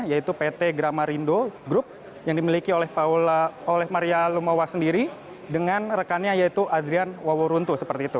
yaitu pt gramarindo group yang dimiliki oleh maria lumawa sendiri dengan rekannya yaitu adrian waworuntu seperti itu